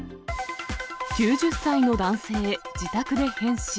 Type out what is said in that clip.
９０歳の男性、自宅で変死。